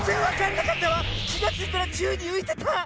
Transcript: きがついたらちゅうにういてた。